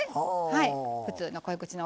はい。